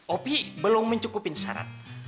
opi belum mencukupi syarat